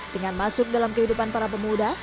dengan masuk dalam kehidupan para pemuda